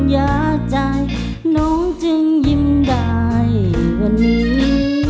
ยาใจน้องจึงยิ้มได้วันนี้